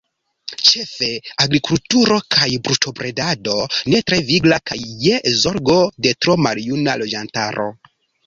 Ĉefe agrikulturo kaj brutobredado ne tre vigla kaj je zorgo de tro maljuna loĝantaro.